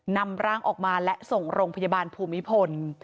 นำร่างออกมาและส่งโรงพยาบาลภูมิพล